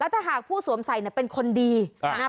แล้วถ้าหากผู้สวมใส่เนี้ยเป็นคนดีอ่า